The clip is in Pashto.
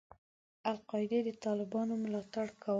القاعدې د طالبانو ملاتړ کاوه.